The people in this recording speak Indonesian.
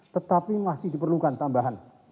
tetapi masih diperlukan tambahan